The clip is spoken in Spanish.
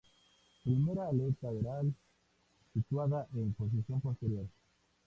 Primera aleta doral situada en posición posterior.